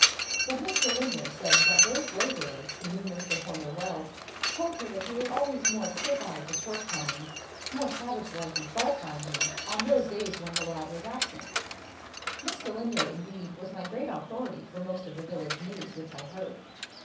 But Miss Galindo said that those labourers who knew Mr. Horner well, told her that he was always more quick eyed to shortcomings, more savage like in fault finding, on those days when the lad was absent. Miss Galindo, indeed, was my great authority for most of the village news which I heard.